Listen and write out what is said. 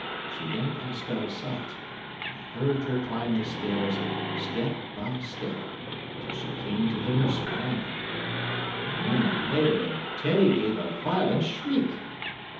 She then passed out of sight, and I heard her climb the stairs, step by step, till she came to the nursery landing. A moment later, and Teddy gave a violent shriek.